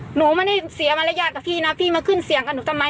หนูไม่ได้เสียมารยาทกับพี่นะพี่มาขึ้นเสียงกับหนูทำไม